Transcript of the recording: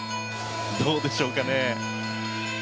どうでしょうかね。